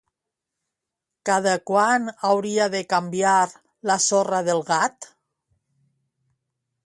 Cada quant hauria de canviar la sorra del gat?